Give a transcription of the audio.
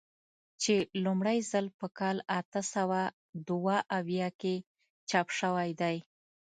چې لومړی ځل په کال اته سوه دوه اویا کې چاپ شوی دی.